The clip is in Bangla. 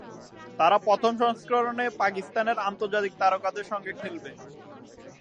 তারা প্রথম সংস্করণে পাকিস্তানের আন্তর্জাতিক তারকাদের সঙ্গে খেলবে।